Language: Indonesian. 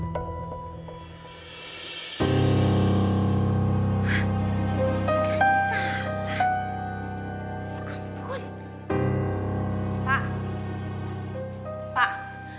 pak pak lihat deh pak